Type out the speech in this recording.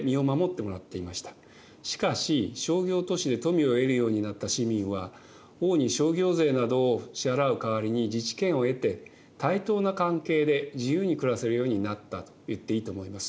しかし商業都市で富を得るようになった市民は王に商業税などを支払う代わりに自治権を得て対等な関係で自由に暮らせるようになったといっていいと思います。